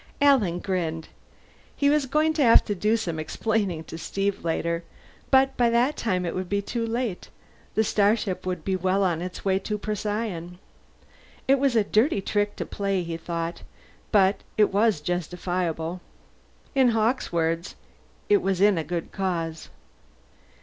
Alan grinned. He was going to have to do some explaining to Steve later, but by that time it would be too late; the starship would be well on its way to Procyon. It was a dirty trick to play, he thought, but it was justifiable. In Hawkes' words, it was in a good cause.